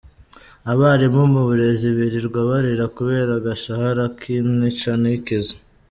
Abarimu mu burezi birirwa barira kubera agashahara k’intica ntikize.